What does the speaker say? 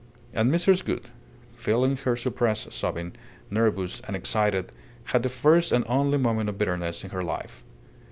And Mrs. Gould, feeling her suppressed sobbing, nervous and excited, had the first and only moment of bitterness in her life.